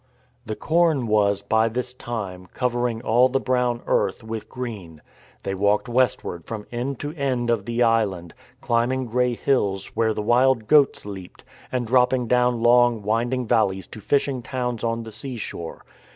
The corn was, by this time, covering all the brown earth with green. They walked westward from end to end of the island, climbing grey hills where the wild goats leaped, and dropping down long, winding valleys to fishing towns on the seashore.